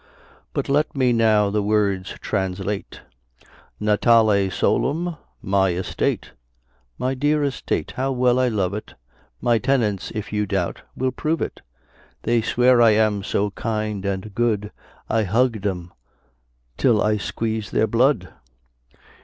But let me now the words translate: Natale solum: my estate: My dear estate, how well I love it! My tenants, if you doubt, will prove it. They swear I am so kind and good, I hug them till I squeeze their blood.